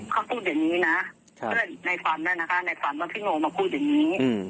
เขาพูดอย่างนี้นะเพื่อนในฝันนั่นนะคะในฝันว่าพี่โนมาพูดอย่างนี้